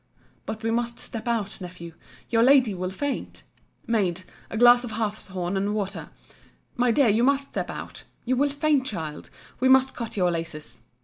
But we must step out, Nephew: your lady will faint. Maid, a glass of hartshorn and water!—My dear you must step out—You will faint, child—We must cut your laces.